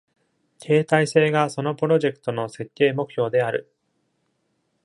携帯性がそのプロジェクトの設計目標である。